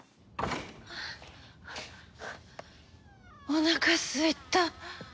おなかすいた。